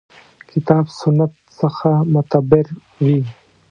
کتاب سنت څخه معتبر وي.